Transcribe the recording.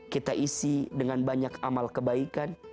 kita isi dengan banyak amal kebaikan